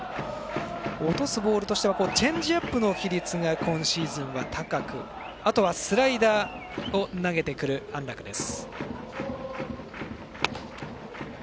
落とすボールとしてはチェンジアップの比率が今シーズンは高くあとはスライダーを投げてくる安樂です。